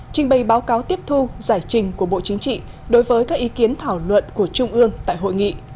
trình bày báo cáo tiếp thu giải trình của bộ chính trị đối với các ý kiến thảo luận của trung ương tại hội nghị